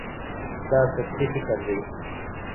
دا سطحي فکر دی.